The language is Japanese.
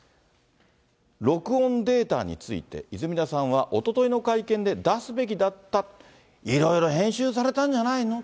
録音データについて、泉田さんはおとといの会見で出すべきだった、いろいろ編集されたんじゃないの？